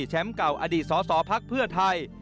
แชมป์เก่าอดีตสอภาคเพื่อไทย